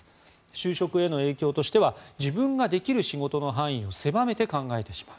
就職への影響としては自分ができる仕事の範囲を狭めて考えてしまう。